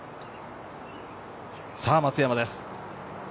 さぁ松山です。